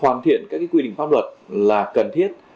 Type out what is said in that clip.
hoàn thiện các quy định pháp luật là cần thiết